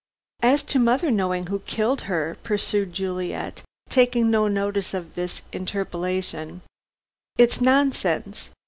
"As to mother knowing who killed her," pursued Juliet, taking no notice of this interpolation, "it's nonsense.